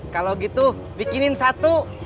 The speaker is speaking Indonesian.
kalau gitu bikinin satu